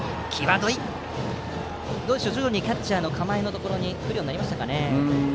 どうでしょう徐々にキャッチャーの構えのところに来るようになりましたかね？